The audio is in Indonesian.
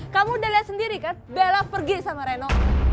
kamu udah lihat sendiri kan bella pergi sama reno